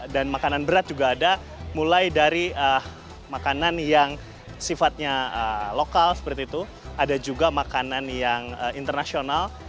makanan berat juga ada mulai dari makanan yang sifatnya lokal seperti itu ada juga makanan yang internasional